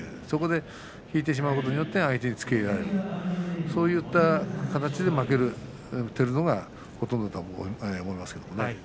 そこで引いてしまうことによって相手に、つけ入れられるそういった形で負けているのがほとんどだと思います。